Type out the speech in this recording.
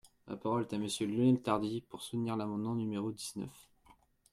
La parole est à Monsieur Lionel Tardy, pour soutenir l’amendement numéro dix-neuf.